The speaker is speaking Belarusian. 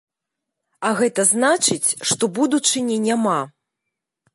А гэта значыць, што будучыні няма.